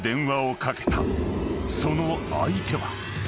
［その相手は］